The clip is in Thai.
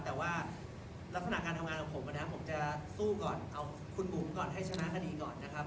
แต่ลักษณะเกิดทำงานของผมคุณบุ๋มก่อนให้ชนะทศ